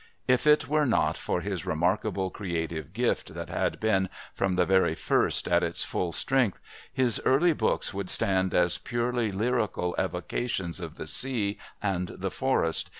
If it were not for his remarkable creative gift that had been, from the very first, at its full strength, his early books would stand as purely lyrical evocations of the sea and the forest.